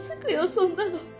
そんなの。